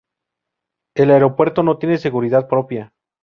El aeropuerto no tiene seguridad propia.